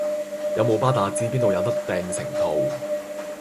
有冇巴打知邊到有得訂成套